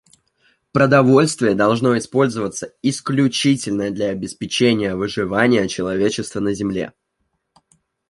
Продовольствие должно использоваться исключительно для обеспечения выживания человечества на Земле.